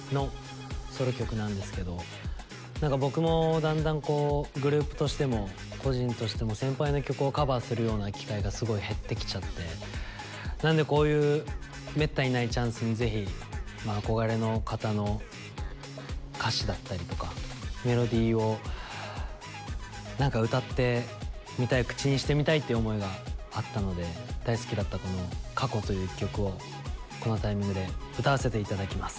僕もだんだんグループとしても個人としても先輩の曲をカバーするような機会がすごい減ってきちゃってなのでこういうめったにないチャンスにぜひ憧れの方の歌詞だったりとかメロディーを何か歌ってみたい口にしてみたいという思いがあったので大好きだった「痕跡」という曲をこのタイミングで歌わせて頂きます。